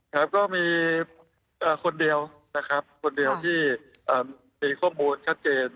ครับก็มีคนเดียวนะครับคนเดียวที่มีข้อมูลชัดเจน